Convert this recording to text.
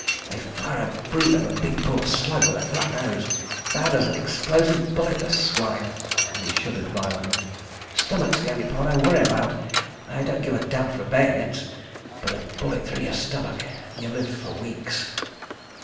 "They fire a brute of a big bore slug with a flat nose. Bad as an explosive bullet, the swine," and he shuddered violently. "Stomach's the only part I worry about, and I don't give a damn for bayonets. ... But a bullet through your stomach! You live for weeks.